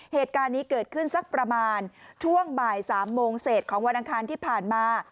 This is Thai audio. เหตุการณ์นี้เกิดขึ้นสักประมาณช่วงบ่าย๓โมงเศษของวันอังคารที่ผ่านมา